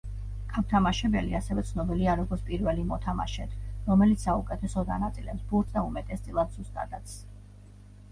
გამთამაშებელი, ასევე ცნობილია როგორც პირველი მოთამაშედ, რომელიც საუკეთესოდ ანაწილებს ბურთს და უმეტესწილად ზუსტადაც.